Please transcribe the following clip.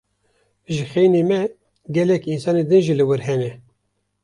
Ji xeynî me gelek însanên din jî li wir hene.